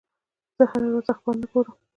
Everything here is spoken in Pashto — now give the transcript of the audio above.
زه هره ورځ اخبار نه ګورم.